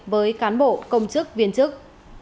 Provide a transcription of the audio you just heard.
với cán bộ công chức viên chức